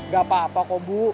gak apa apa kok bu